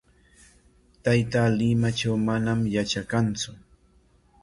Taytaa Limatraw manam yatrakantsu.